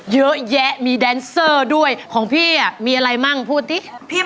เยอะแยะมีแดนเซอร์ด้วยของพี่อ่ะมีอะไรมั่งพูดสิพี่